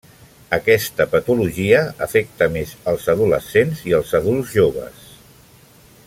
Aquesta patologia afecta més els adolescents i els adults joves.